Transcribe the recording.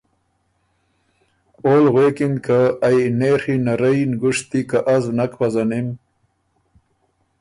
اول ګه غوېکِن که ”ائ نېڒی نرئ نګُشتي که از نک پزنِم